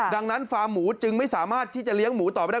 ดังนั้นฟาร์มหมูจึงไม่สามารถที่จะเลี้ยงหมูต่อไปได้